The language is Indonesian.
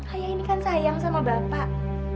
ayah ini kan sayang sama bapak